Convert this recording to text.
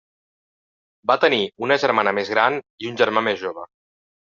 Va tenir una germana més gran i un germà més jove.